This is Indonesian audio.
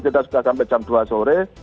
kita sudah sampai jam dua sore